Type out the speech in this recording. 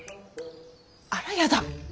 あらやだ。